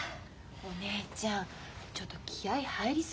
お姉ちゃんちょっと気合い入り過ぎよ。